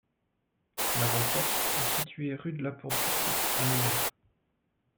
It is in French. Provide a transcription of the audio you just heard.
L'avant porte est située rue de la porte du Croux, à Nevers.